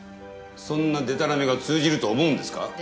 そんなでたらめが通じると思うんですか？